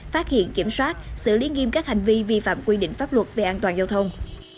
phát hiện kiểm soát xử lý nghiêm các hành vi vi phạm quy định pháp luật về an toàn giao thông